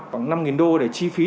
khoảng năm đô để chi phí